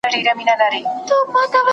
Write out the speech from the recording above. خپل عېب د اوږو منځ دئ.